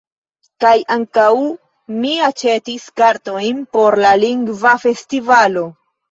Kaj ankaŭ, mi aĉetis kartojn por la Lingva Festivalo.